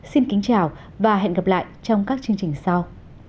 xin kính chào và hẹn gặp lại trong các chương trình sau